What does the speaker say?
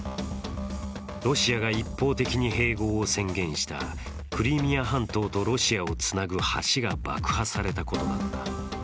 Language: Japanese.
ロシアが一方的に併合を宣言したクリミア半島とロシアをつなぐ橋が爆破されたことだった。